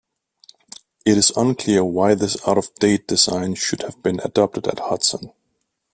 It is unclear why this out-of-date design should have been adopted at Hudson.